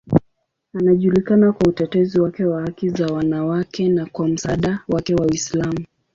Anajulikana kwa utetezi wake wa haki za wanawake na kwa msaada wake wa Uislamu.